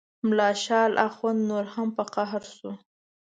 ملا شال اخند نور هم په قهر شو.